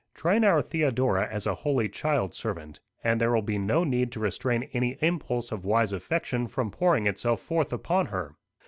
Train our Theodora as a holy child servant, and there will be no need to restrain any impulse of wise affection from pouring itself forth upon her.